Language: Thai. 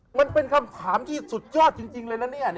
มันเป็นคำถามที่สุดยอดจริงเลยนะเนี่ย